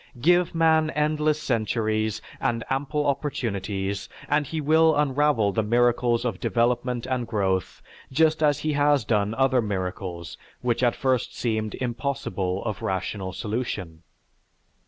Give man endless centuries and ample opportunities and he will unravel the miracles of development and growth just as he has done other miracles which at first seemed impossible of rational solution.